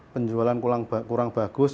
penjualan kurang bagus